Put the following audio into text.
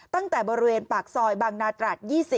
ตั้งแต่บริเวณปากซอยบางนาตรัส๒๐